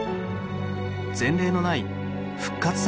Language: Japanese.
前例のない復活作戦。